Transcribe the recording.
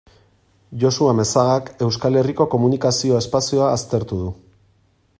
Josu Amezagak Euskal Herriko komunikazio espazioa aztertu du.